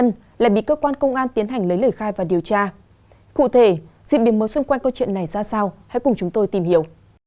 các bạn có chuyện này ra sao hãy cùng chúng tôi tìm hiểu